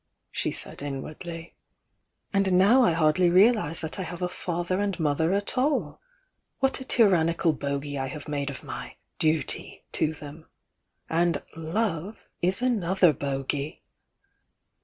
she said inwardly. "And now I hardly real ise that I have a father and mother at all! What a tyrannical bogy I have made of my 'duty' to them! And 'love' is another bogy!"